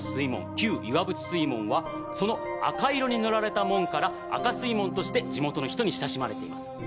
旧岩淵水門はその赤色に塗られた門から赤水門として地元の人に親しまれています。